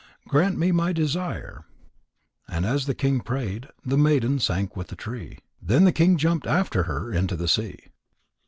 Grant me my desire!" And as the king prayed, the maiden sank with the tree. Then the king jumped after her into the sea.